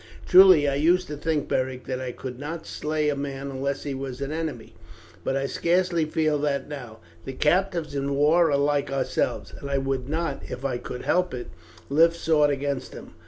Truly, I used to think, Beric, that I could not slay a man unless he was an enemy, but I scarce feel that now. The captives in war are like ourselves, and I would not, if I could help it, lift sword against them.